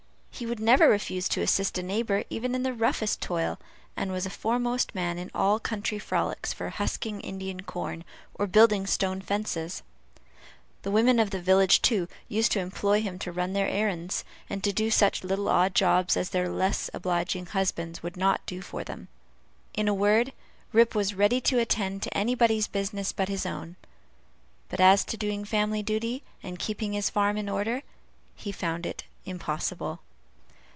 He would never refuse to assist a neighbor even in the roughest toil, and was a foremost man in all country frolics for husking Indian corn, or building stone fences; the women of the village, too, used to employ him to run their errands, and to do such little odd jobs as their less obliging husbands would not do for them. In a word, Rip was ready to attend to anybody's business but his own; but as to doing family duty, and keeping his farm in order, he found it impossible.